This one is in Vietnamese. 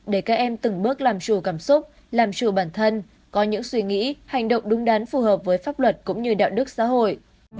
để các em từng bước làm chủ cảm xúc làm chùa bản thân có những suy nghĩ hành động đúng đắn phù hợp với pháp luật cũng như đạo đức xã hội